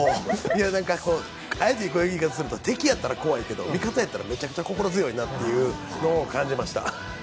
あえてこういう言い方をすると敵だったら怖いけど、味方やったらめちゃくちゃ心強いなと思いました。